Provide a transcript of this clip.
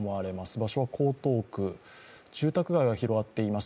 場所は江東区、住宅街が広がっています。